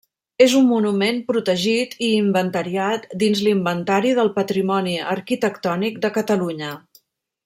És un monument protegit i inventariat dins l'Inventari del Patrimoni Arquitectònic de Catalunya.